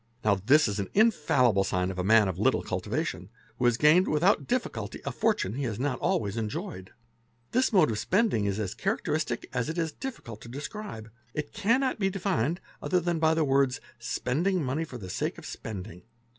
Now this is an infallible sign of a man of little cultivation, .— who has gained without difficulty a fortune he has not always enjoyed. This mode of spending is as characteristic as it is difficult to describe ; it cannot be defined otherwise than by the words—spending money for the sake of spending.